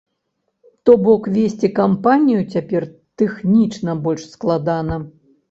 То бок весці кампанію цяпер тэхнічна больш складана.